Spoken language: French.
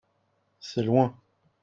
c'est loin.